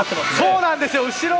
そうなんですよ。